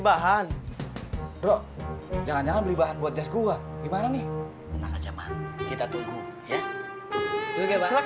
bahan bro jangan jangan beli bahan buat jas gua gimana nih kita tunggu ya